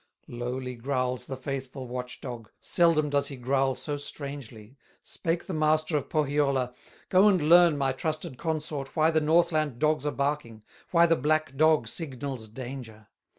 Lowly growls the faithful watch dog, Seldom does he growl so strangely. Spake the master of Pohyola: "Go and learn, my trusted consort, Why the Northland dogs are barking, Why the black dog signals danger."